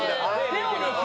「手を抜く」。